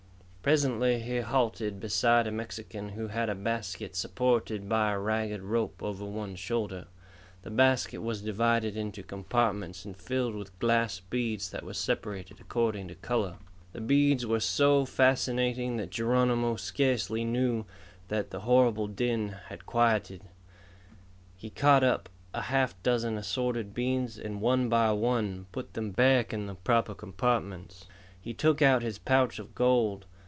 Presently he halted beside a Mexican who had a basket supported by a ragged rope over one shoulder. The basket was divided into compartments and filled with glass beads that were separated according to color. [Illustration: He halted beside a Mexican] The beads were so fascinating that Geronimo scarcely knew that the horrible din had quieted. He caught up a half dozen assorted beads and one by one put them back in the proper compartments. He took out his pouch of gold.